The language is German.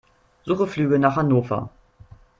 Suche Flüge nach Hannover.